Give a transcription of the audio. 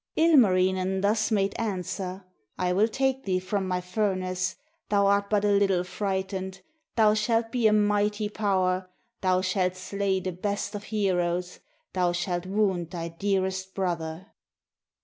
Ilmarinen thus made answer: "I will take thee from my furnace, Thou art but a Httle frightened. Thou shalt be a mighty power. Thou shalt slay the best of heroes. Thou shalt wound thy dearest brother."